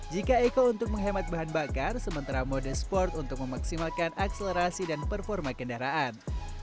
jika eko untuk menghemat bahan bakar sementara mode sport untuk memaksimalkan akselerasi dan performa kendaraan